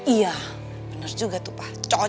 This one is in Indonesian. iya bener juga tuh pak cocok itu